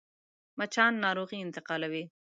مچان ناروغي انتقالوي